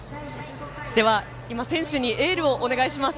では、選手にエールをお願いします。